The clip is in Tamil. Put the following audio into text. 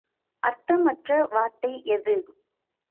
அர்த்தமற்ற வார்த்தை எது?